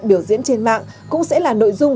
biểu diễn trên mạng cũng sẽ là nội dung